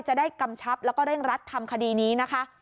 จะได้กำชับแล้วก็เร่งรัดทำคดีนี้นะคะ